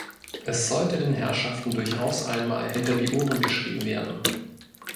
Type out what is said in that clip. Es sollte den Herrschaften durchaus einmal hinter die Ohren geschrieben werden.